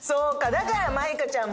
だから舞香ちゃん